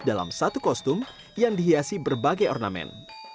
dalam satu kostum yang dihiasi berbagai ornamen